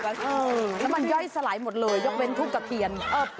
แล้วมันย่อยสลายหมดเลยยกเว้นทูบกระเตียน